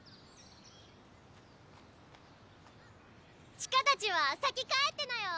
千歌たちは先帰ってなよ。